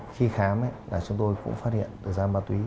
khi khám chúng tôi cũng phát hiện ra ma túy